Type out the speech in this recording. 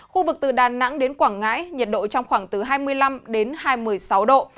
khu vực từ đà nẵng đến quảng ngãi nhiệt độ trong khoảng từ hai mươi năm đến hai mươi sáu độ